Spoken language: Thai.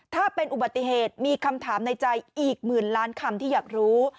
ถ้าเป็นอุบัติเหตุมีคำถามในใจอีกหมื่นล้านคำที่อยากรู้